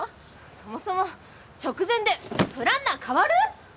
そもそも直前でプランナーかわる！？